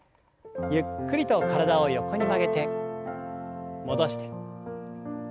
ゆっくりと体を横に曲げて戻して。